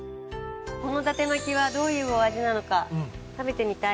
この伊達巻はどういうお味なのか食べてみたい。